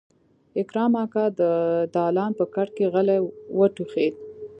اکرم اکا د دالان په کټ کې غلی وټوخېد.